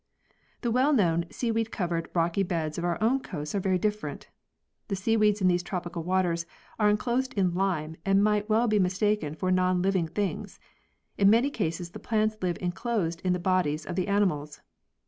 The well known seaweed covered rocky beds of our own coasts are very different. The seaweeds in these tropical waters are enclosed in lime and might well be mistaken for non living things. In many cases the plants live enclosed in the bodies of the animals